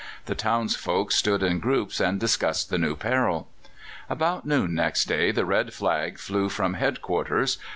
The townsfolk stood in groups and discussed the new peril. About noon next day the red flag flew from head quarters.